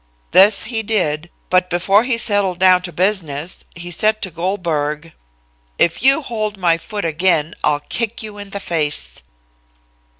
This he did, but before he settled down to business, he said to Goldberg: "'If you hold my foot again, I'll kick you in the face.'